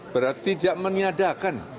berarti tidak menyadarkan